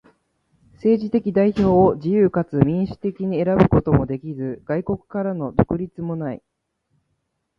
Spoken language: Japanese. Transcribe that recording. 政治的代表を自由かつ民主的に選ぶこともできず、外国からの独立もない。